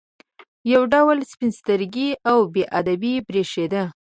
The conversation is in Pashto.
یو ډول سپین سترګي او بې ادبي برېښېده.